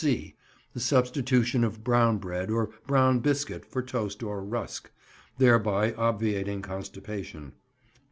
(c) The substitution of brown bread or brown biscuit for toast or rusk—thereby obviating constipation.